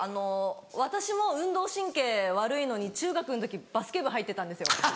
私も運動神経悪いのに中学の時バスケ部入ってたんですよ。